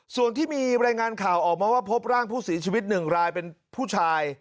ส่วนที่มีรายงานข่าวออกมาว่าพบร่างผู้เสียชีวิต๑รายเป็นผู้ชาย